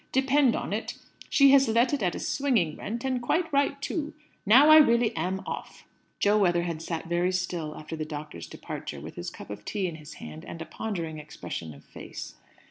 "Depend on it, she has let it at a swinging rent; and quite right, too. Now I really am off." Jo Weatherhead sat very still after the doctor's departure, with his cup of tea in his hand, and a pondering expression of face.